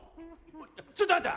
ちょっとあんた。